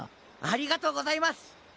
ありがとうございます！